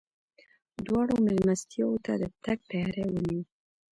دواړو مېلمستیاوو ته د تګ تیاری ونیو.